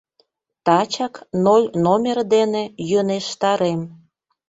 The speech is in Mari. — Тачак ноль номер дене йӧнештарем.